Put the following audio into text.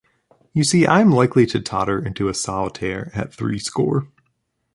You see I am likely to totter into a solitaire at three-score.